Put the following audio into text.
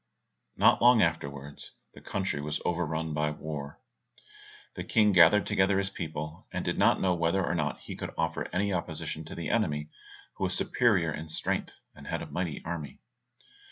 Not long afterwards, the country was overrun by war. The King gathered together his people, and did not know whether or not he could offer any opposition to the enemy, who was superior in strength and had a mighty army.